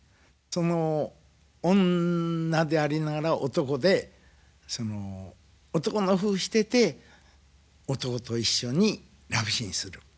その女でありながら男でその男のふうしてて男と一緒にラブシーンする。